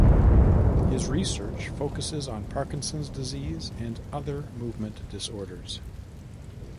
His research focuses on Parkinson's disease and other movement disorders.